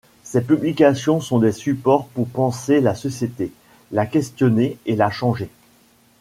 Ses publications sont des supports pour penser la société, la questionner et la changer.